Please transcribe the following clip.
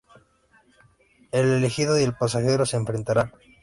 El elegido y el pasajero se enfrentarán.